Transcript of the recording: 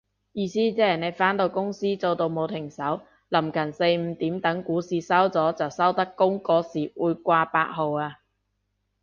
意思即係你返到公司做到冇停手，臨近四五點等股市收咗就收得工嗰時會掛八號啊